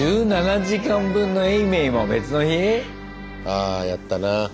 あやったな。